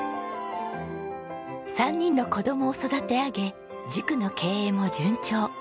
３人の子供を育て上げ塾の経営も順調。